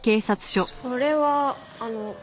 それはあの。